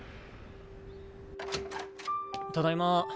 ただいま。